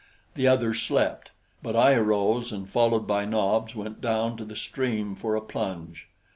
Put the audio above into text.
The others slept; but I arose and followed by Nobs went down to the stream for a plunge.